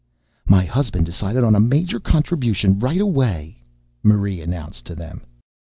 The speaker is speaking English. "My husband decided on a major contribution right away," Marie announced to them.